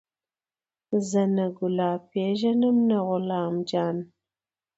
زه نه ګلاب پېژنم نه غلام جان.